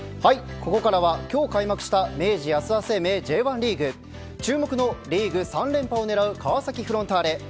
ここからは今日開幕した明治安田生命Ｊ１リーグ注目のリーグ３連覇をねらう川崎フロンターレ。